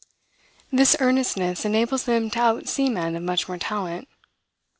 This earnestness enables them to out see men of much more talent.